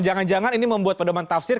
jangan jangan ini membuat pedoman tafsir